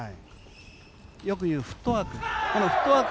よく言うフットワーク。